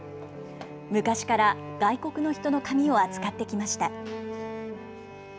昔から外国の人の髪を扱ってきました。